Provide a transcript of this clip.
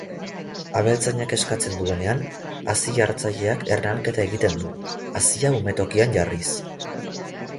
Abeltzainak eskatzen duenean, hazi-jartzaileak ernalketa egiten du, hazia umetokian jarriz.